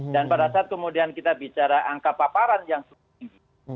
dan pada saat kemudian kita bicara angka paparan yang sudah diberikan